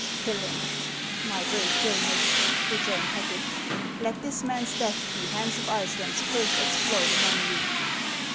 Kill him !"" My brave Jonas," rejoined Hacket, " let this man's death be Hans of Iceland's first exploit among you."